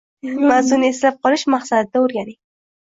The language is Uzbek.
Mavzuni eslab qolish maqsadida o‘rganing.